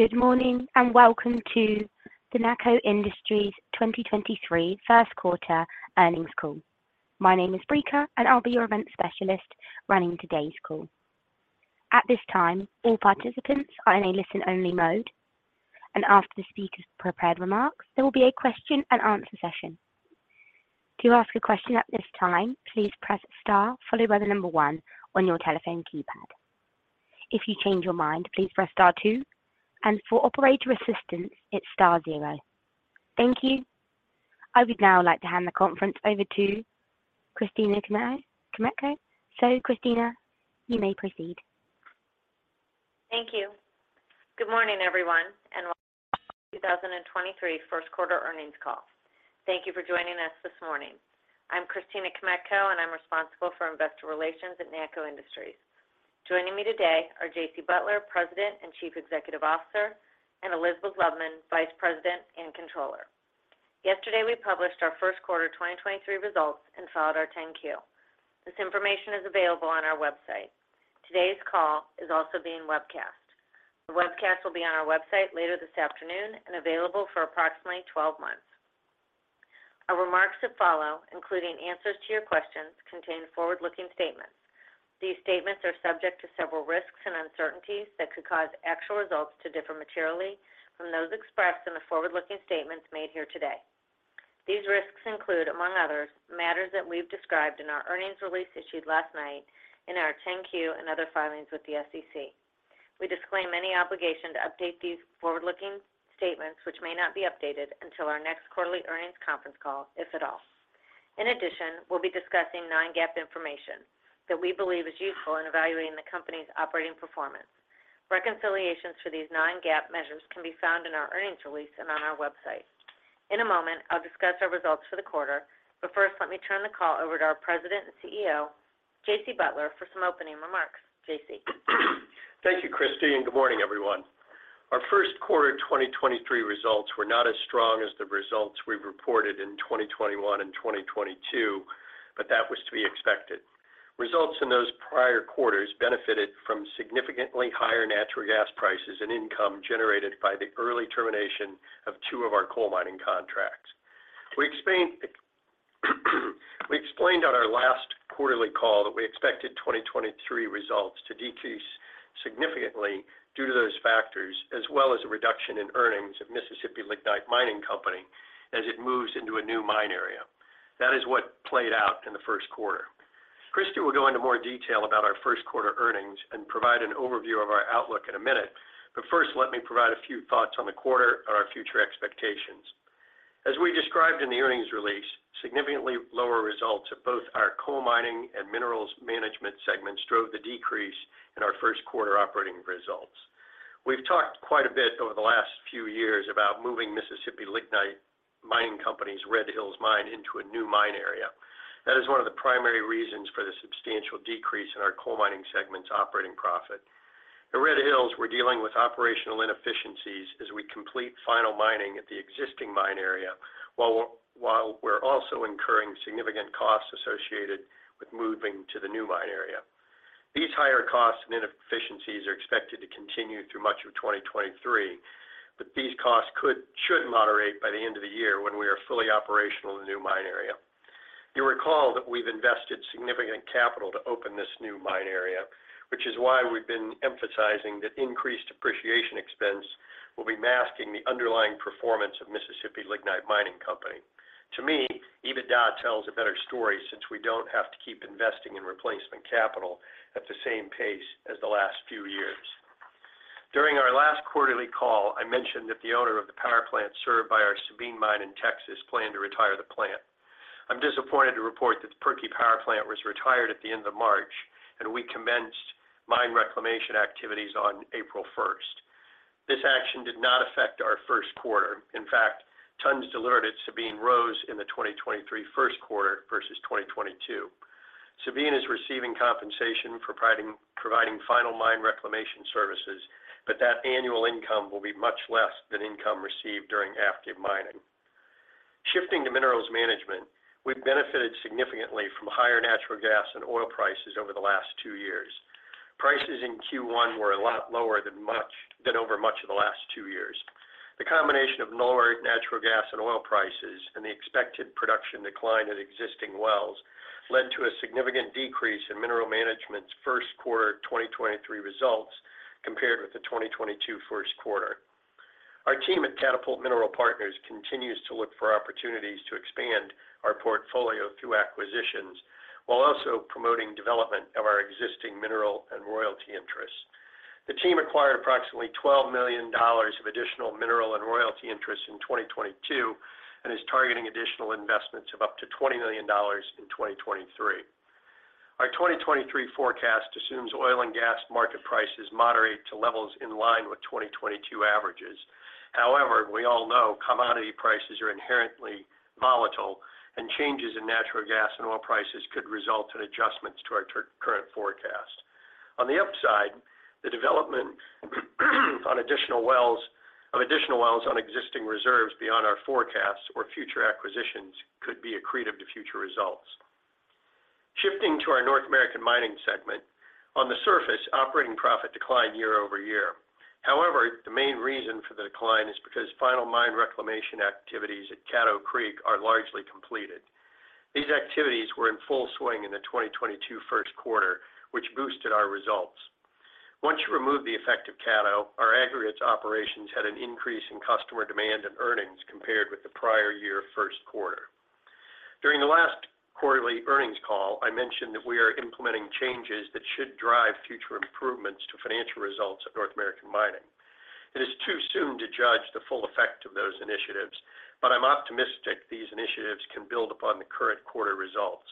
Good morning, and welcome to the NACCO Industries 2023 first quarter earnings call. My name is Brica, and I'll be your event specialist running today's call. At this time, all participants are in a listen-only mode, and after the speaker's prepared remarks, there will be a question and answer session. To ask a question at this time, please press star followed by one on your telephone keypad. If you change your mind, please press star two, and for operator assistance, it's star zero. Thank you. I would now like to hand the conference over to Christina Kmetko. Christina, you may proceed. Thank you. Good morning, everyone, and welcome to the 2023 first quarter earnings call. Thank you for joining us this morning. I'm Christina Kmetko, and I'm responsible for investor relations at NACCO Industries. Joining me today are J.C. Butler, Jr., President and Chief Executive Officer, and Elizabeth I. Loveman, Vice President and Controller. Yesterday, we published our first quarter 2023 results and filed our Form 10-Q. This information is available on our website. Today's call is also being webcast. The webcast will be on our website later this afternoon and available for approximately 12 months. Our remarks that follow, including answers to your questions, contain forward-looking statements. These statements are subject to several risks and uncertainties that could cause actual results to differ materially from those expressed in the forward-looking statements made here today. These risks include, among others, matters that we've described in our earnings release issued last night in our 10-Q and other filings with the SEC. We disclaim any obligation to update these forward-looking statements, which may not be updated until our next quarterly earnings conference call, if at all. In addition, we'll be discussing non-GAAP information that we believe is useful in evaluating the company's operating performance. Reconciliations for these non-GAAP measures can be found in our earnings release and on our website. In a moment, I'll discuss our results for the quarter, but first, let me turn the call over to our President and CEO, J.C. Butler, for some opening remarks. J.C. Thank you, Christine. Good morning, everyone. Our first quarter 2023 results were not as strong as the results we reported in 2021 and 2022. That was to be expected. Results in those prior quarters benefited from significantly higher natural gas prices and income generated by the early termination of two of our coal mining contracts. We explained on our last quarterly call that we expected 2023 results to decrease significantly due to those factors, as well as a reduction in earnings of Mississippi Lignite Mining Company as it moves into a new mine area. That is what played out in the first quarter. Christine will go into more detail about our first quarter earnings and provide an overview of our outlook in a minute. First, let me provide a few thoughts on the quarter and our future expectations. As we described in the earnings release, significantly lower results of both our coal mining and minerals management segments drove the decrease in our first quarter operating results. We've talked quite a bit over the last few years about moving Mississippi Lignite Mining Company's Red Hills mine into a new mine area. That is one of the primary reasons for the substantial decrease in our coal mining segment's operating profit. At Red Hills, we're dealing with operational inefficiencies as we complete final mining at the existing mine area, while we're also incurring significant costs associated with moving to the new mine area. These higher costs and inefficiencies are expected to continue through much of 2023, but these costs should moderate by the end of the year when we are fully operational in the new mine area. You'll recall that we've invested significant capital to open this new mine area, which is why we've been emphasizing that increased depreciation expense will be masking the underlying performance of Mississippi Lignite Mining Company. To me, EBITDA tells a better story since we don't have to keep investing in replacement capital at the same pace as the last few years. During our last quarterly call, I mentioned that the owner of the power plant served by our Sabine Mine in Texas planned to retire the plant. I'm disappointed to report that the Pirkey Power Plant was retired at the end of March, and we commenced mine reclamation activities on April first. This action did not affect our first quarter. In fact, tons delivered at Sabine rose in the 2023 first quarter versus 2022. Sabine is receiving compensation providing final mine reclamation services, That annual income will be much less than income received during active mining. Shifting to minerals management, we've benefited significantly from higher natural gas and oil prices over the last two years. Prices in Q1 were a lot lower than over much of the last two years. The combination of lower natural gas and oil prices and the expected production decline at existing wells led to a significant decrease in mineral management's first quarter 2023 results compared with the 2022 first quarter. Our team at Catapult Mineral Partners continues to look for opportunities to expand our portfolio through acquisitions while also promoting development of our existing mineral and royalty interests. The team acquired approximately $12 million of additional mineral and royalty interests in 2022 and is targeting additional investments of up to $20 million in 2023. Our 2023 forecast assumes oil and gas market prices moderate to levels in line with 2022 averages. We all know commodity prices are inherently volatile and changes in natural gas and oil prices could result in adjustments to our current forecast. On the upside, the development of additional wells on existing reserves beyond our forecast or future acquisitions could be accretive to future results. Shifting to our North American Mining segment. On the surface, operating profit declined year-over-year. The main reason for the decline is because final mine reclamation activities at Caddo Creek are largely completed. These activities were in full swing in the 2022 first quarter, which boosted our results. Once you remove the effect of Caddo, our aggregates operations had an increase in customer demand and earnings compared with the prior year first quarter. During the last quarterly earnings call, I mentioned that we are implementing changes that should drive future improvements to financial results at North American Mining. It is too soon to judge the full effect of those initiatives. I'm optimistic these initiatives can build upon the current quarter results.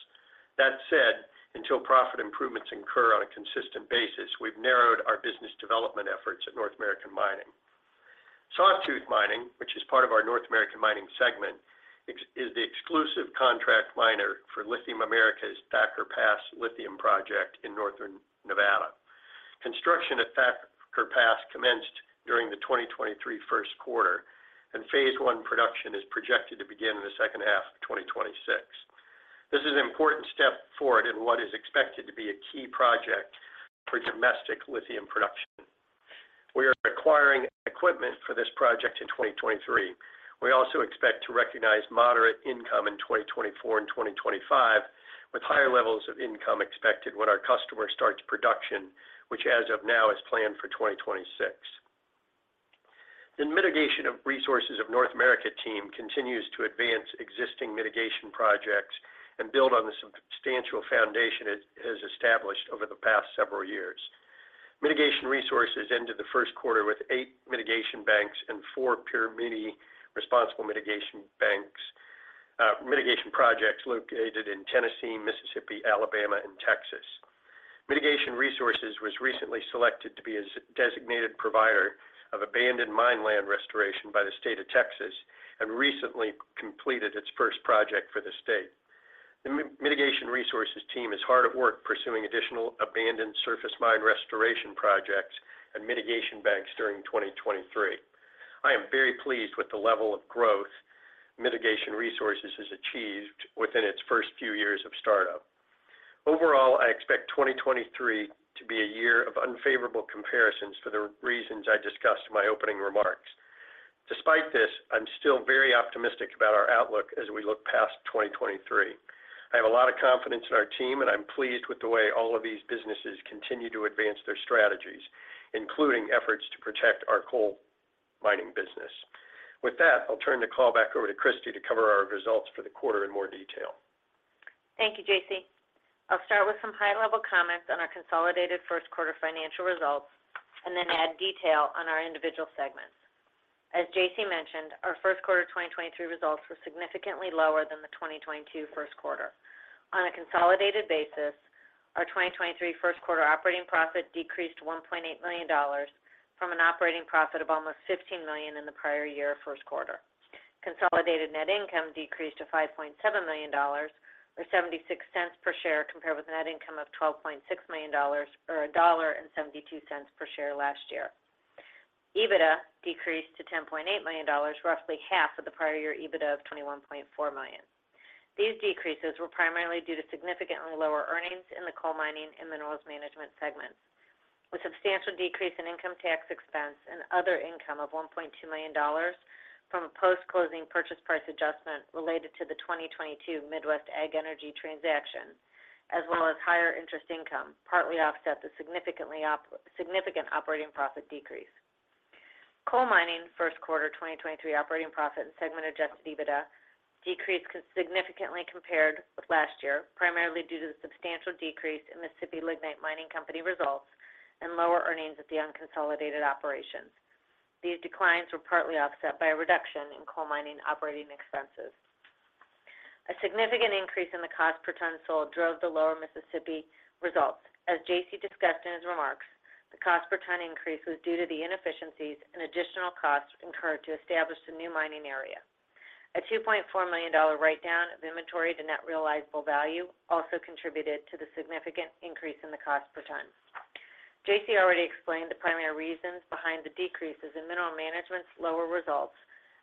That said, until profit improvements incur on a consistent basis, we've narrowed our business development efforts at North American Mining. Sawtooth Mining, which is part of our North American Mining segment, is the exclusive contract miner for Lithium Americas' Thacker Pass lithium project in northern Nevada. Construction at Thacker Pass commenced during the 2023 first quarter. Phase 1 production is projected to begin in the second half of 2026. This is an important step forward in what is expected to be a key project for domestic lithium production. We are acquiring equipment for this project in 2023. We also expect to recognize moderate income in 2024 and 2025, with higher levels of income expected when our customer starts production, which as of now is planned for 2026. The Mitigation Resources of North America team continues to advance existing mitigation projects and build on the substantial foundation it has established over the past several years. Mitigation Resources ended the first quarter with eight mitigation banks and four permittee-responsible mitigation projects located in Tennessee, Mississippi, Alabama, and Texas. Mitigation Resources was recently selected to be a designated provider of abandoned mine land restoration by the state of Texas and recently completed its first project for the state. The Mitigation Resources team is hard at work pursuing additional abandoned surface mine restoration projects and mitigation banks during 2023. I am very pleased with the level of growth Mitigation Resources has achieved within its first few years of startup. Overall, I expect 2023 to be a year of unfavorable comparisons for the reasons I discussed in my opening remarks. Despite this, I'm still very optimistic about our outlook as we look past 2023. I have a lot of confidence in our team, and I'm pleased with the way all of these businesses continue to advance their strategies, including efforts to protect our coal mining business. I'll turn the call back over to Christy to cover our results for the quarter in more detail. Thank you, J.C. I'll start with some high-level comments on our consolidated first quarter financial results and then add detail on our individual segments. As J.C. mentioned, our first quarter 2023 results were significantly lower than the 2022 first quarter. On a consolidated basis, our 2023 first quarter operating profit decreased $1.8 million from an operating profit of almost $15 million in the prior year first quarter. Consolidated net income decreased to $5.7 million, or $0.76 per share, compared with a net income of $12.6 million or $1.72 per share last year. EBITDA decreased to $10.8 million, roughly half of the prior year EBITDA of $21.4 million. These decreases were primarily due to significantly lower earnings in the coal mining and minerals management segments. A substantial decrease in income tax expense and other income of $1.2 million from a post-closing purchase price adjustment related to the 2022 Midwest AgEnergy transaction, as well as higher interest income, partly offset the significant operating profit decrease. Coal mining first quarter 2023 operating profit and Segment Adjusted EBITDA decreased significantly compared with last year, primarily due to the substantial decrease in Mississippi Lignite Mining Company results and lower earnings at the unconsolidated operations. These declines were partly offset by a reduction in coal mining operating expenses. A significant increase in the cost per ton sold drove the lower Mississippi results. As J.C. discussed in his remarks, the cost per ton increase was due to the inefficiencies and additional costs incurred to establish the new mining area. A $2.4 million write-down of inventory to net realizable value also contributed to the significant increase in the cost per ton. J.C. already explained the primary reasons behind the decreases in Mineral Management's lower results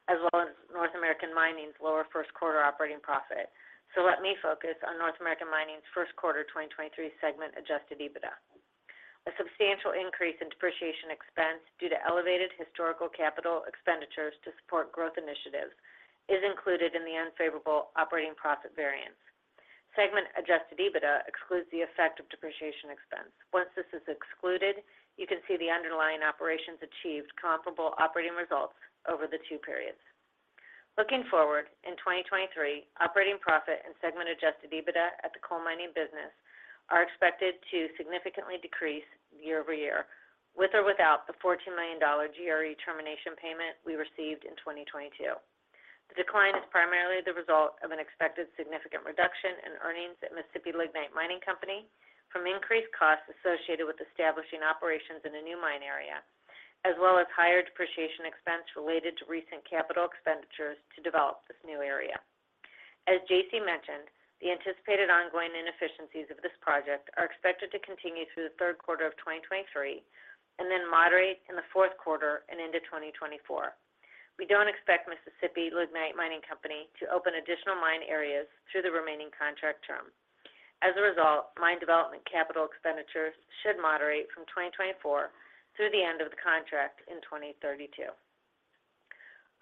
as well as North American Mining's lower first quarter operating profit. Let me focus on North American Mining's first quarter 2023 Segment Adjusted EBITDA. A substantial increase in depreciation expense due to elevated historical capital expenditures to support growth initiatives is included in the unfavorable operating profit variance. Segment Adjusted EBITDA excludes the effect of depreciation expense. Once this is excluded, you can see the underlying operations achieved comparable operating results over the two periods. Looking forward, in 2023, operating profit and Segment Adjusted EBITDA at the coal mining business are expected to significantly decrease year-over-year with or without the $14 million GRE termination payment we received in 2022. The decline is primarily the result of an expected significant reduction in earnings at Mississippi Lignite Mining Company from increased costs associated with establishing operations in a new mine area, as well as higher depreciation expense related to recent capital expenditures to develop this new area. As J.C. mentioned, the anticipated ongoing inefficiencies of this project are expected to continue through the third quarter of 2023 and then moderate in the fourth quarter and into 2024. We don't expect Mississippi Lignite Mining Company to open additional mine areas through the remaining contract term. As a result, mine development capital expenditures should moderate from 2024 through the end of the contract in 2032.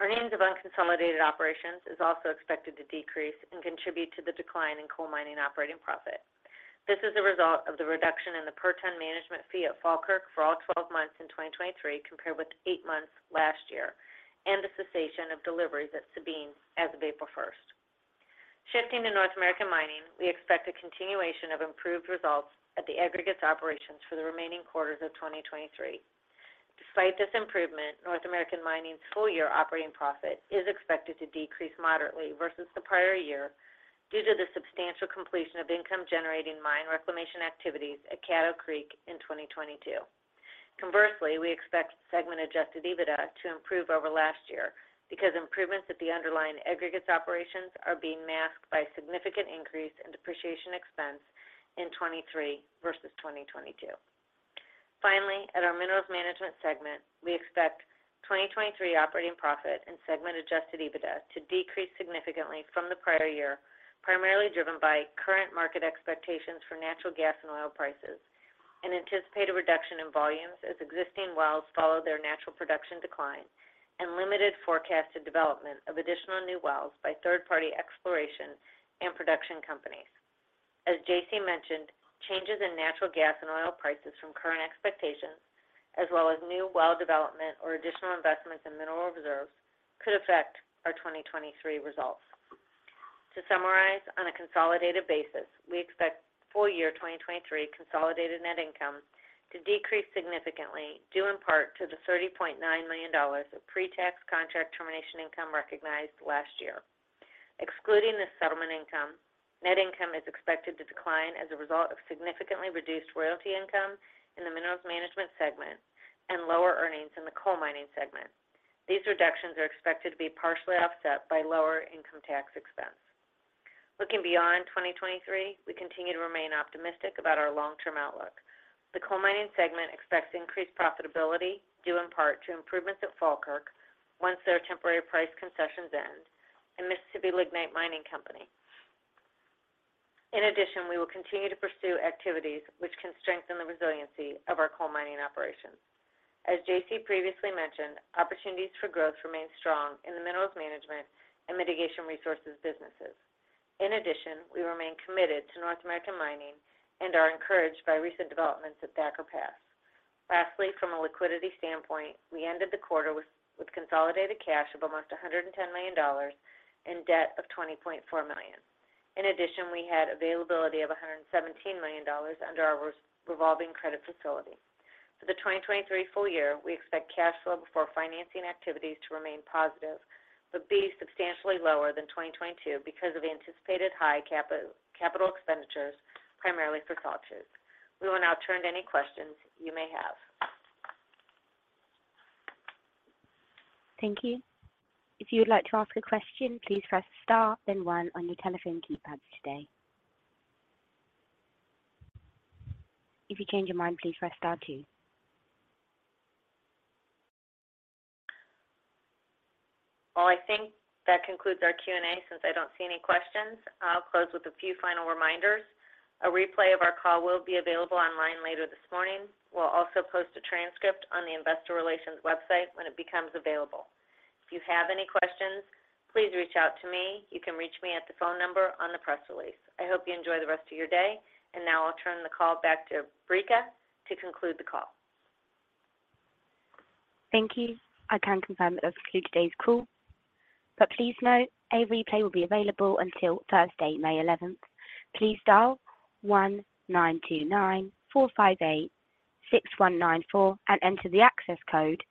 Earnings of unconsolidated operations is also expected to decrease and contribute to the decline in coal mining operating profit. This is a result of the reduction in the per ton management fee at Falkirk for all 12 months in 2023 compared with 8 months last year and the cessation of deliveries at Sabine as of April 1st. Shifting to North American Mining, we expect a continuation of improved results at the aggregates operations for the remaining quarters of 2023. Despite this improvement, North American Mining's full-year operating profit is expected to decrease moderately versus the prior year due to the substantial completion of income-generating mine reclamation activities at Caddo Creek in 2022. Conversely, we expect Segment Adjusted EBITDA to improve over last year because improvements at the underlying aggregates operations are being masked by a significant increase in depreciation expense in 23 versus 2022. Finally, at our minerals management segment, we expect 2023 operating profit and Segment Adjusted EBITDA to decrease significantly from the prior year, primarily driven by current market expectations for natural gas and oil prices and anticipate a reduction in volumes as existing wells follow their natural production decline and limited forecasted development of additional new wells by third-party exploration and production companies. As J.C. mentioned, changes in natural gas and oil prices from current expectations, as well as new well development or additional investments in mineral reserves, could affect our 2023 results. To summarize, on a consolidated basis, we expect full year 2023 consolidated net income to decrease significantly, due in part to the $30.9 million of pre-tax contract termination income recognized last year. Excluding this settlement income, net income is expected to decline as a result of significantly reduced royalty income in the minerals management segment and lower earnings in the coal mining segment. These reductions are expected to be partially offset by lower income tax expense. Looking beyond 2023, we continue to remain optimistic about our long-term outlook. The coal mining segment expects increased profitability, due in part to improvements at Falkirk once their temporary price concessions end and Mississippi Lignite Mining Company. In addition, we will continue to pursue activities which can strengthen the resiliency of our coal mining operations. As J.C. previously mentioned, opportunities for growth remain strong in the minerals management and mitigation resources businesses. In addition, we remain committed to North American Mining and are encouraged by recent developments at Thacker Pass. Lastly, from a liquidity standpoint, we ended the quarter with consolidated cash of almost $110 million and debt of $20.4 million. In addition, we had availability of $117 million under our revolving credit facility. For the 2023 full year, we expect cash flow before financing activities to remain positive, but be substantially lower than 2022 because of anticipated high capital expenditures, primarily for Vermeers. We will now turn to any questions you may have. Thank you. If you would like to ask a question, please press star then one on your telephone keypad today. If you change your mind, please press star two. Well, I think that concludes our Q&A since I don't see any questions. I'll close with a few final reminders. A replay of our call will be available online later this morning. We'll also post a transcript on the Investor Relations website when it becomes available. If you have any questions, please reach out to me. You can reach me at the phone number on the press release. I hope you enjoy the rest of your day. Now I'll turn the call back to Brica to conclude the call. Thank you. I can confirm that this concludes today's call, but please note a replay will be available until Thursday, May eleventh. Please dial 19294586194 and enter the access code